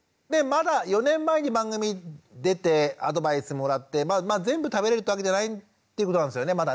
４年前に番組出てアドバイスもらって全部食べれるってわけじゃないっていうことなんですよねまだね